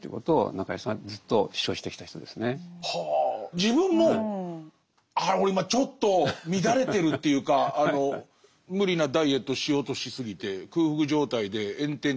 自分も俺今ちょっと乱れてるというか無理なダイエットしようとしすぎて空腹状態で炎天下